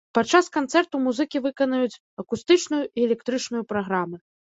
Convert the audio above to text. Падчас канцэрту музыкі выканаюць акустычную і электрычную праграмы.